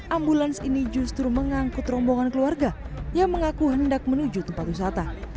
ambulans ini justru mengangkut rombongan keluarga yang mengaku hendak menuju tempat wisata